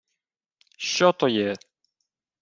— Що то є?